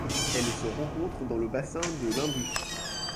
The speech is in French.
Elle se rencontre dans le bassin de l'Indus.